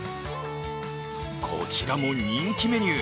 こちらも人気メニュー。